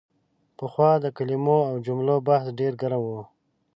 پخوا د کلمو او جملو بحث ډېر ګرم و.